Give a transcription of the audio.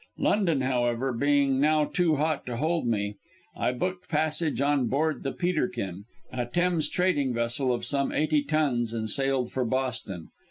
London, however, being now too hot to hold me, I booked passage on board the Peterkin, a Thames trading vessel of some eighty tons, and sailed for Boston.